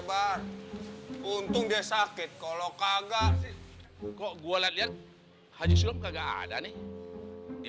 bar untung dia sakit kalau kagak kok gua lihat lihat haji shulam kagak ada nih di